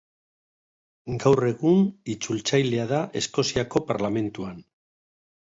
Gaur egun, itzultzailea da Eskoziako Parlamentuan.